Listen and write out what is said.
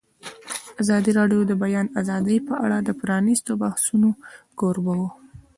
ازادي راډیو د د بیان آزادي په اړه د پرانیستو بحثونو کوربه وه.